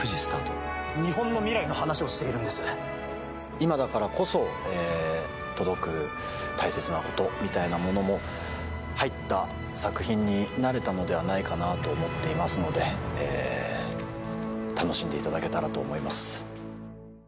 今だからこそ届く大切なことみたいなものも入った作品になれたのではないかと思っていますので楽しんでいただけたらと思います。